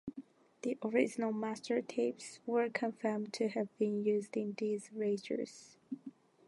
The original master tapes were confirmed to have been used in these reissues.